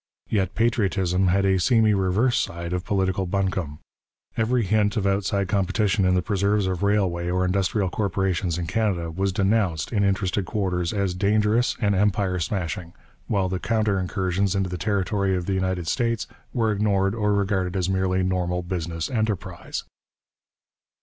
Yet patriotism had a seamy reverse side of political buncombe. Every hint of outside competition in the preserves of railway or industrial corporations in Canada was denounced in interested quarters as dangerous and empire smashing, while the counter incursions into the territory of the United States were ignored or regarded as merely normal business enterprise.